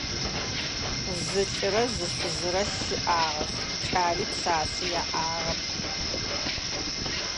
Зы лӏырэ зы шъузырэ щыӏагъэх, кӏали пшъашъи яӏагъэп.